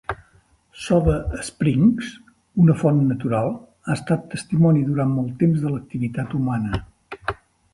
Soda Springs, una font natural, ha estat testimoni durant molt temps de l'activitat humana.